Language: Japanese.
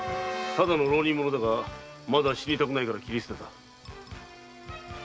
ただの浪人だがまだ死にたくないから斬り捨てた。